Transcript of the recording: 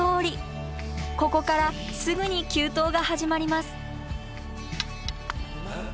ここからすぐに急登が始まります。